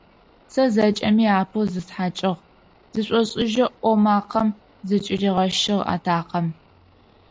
Сэ зэкӏэми апэу зыстхьакӏыгъ, - зышӏошӏыжьэу ӏо макъэм зыкӏыригъэщыгъ атакъэм.